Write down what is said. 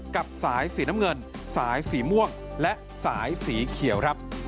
กับสายสีน้ำเงินสายสีม่วงและสายสีเขียวครับ